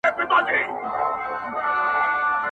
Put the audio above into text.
خر که هر څه په ځان غټ وو په نس موړ وو.!